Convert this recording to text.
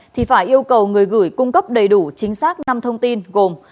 thì phải yêu cầu người gửi cung cấp đầy đủ chính xác năm thông tin gồm